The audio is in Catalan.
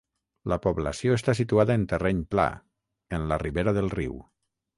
La població està situada en terreny pla, en la ribera del riu.